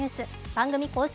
番組公式